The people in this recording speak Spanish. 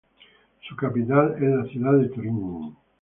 Su capital es la ciudad de Turín.